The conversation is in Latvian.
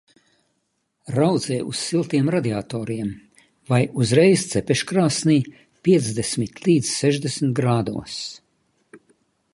Raudzē uz siltiem radiatoriem vai uzreiz cepeškrāsnī piecdesmit līdz sešdesmit grādos.